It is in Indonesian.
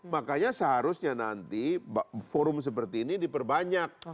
makanya seharusnya nanti forum seperti ini diperbanyak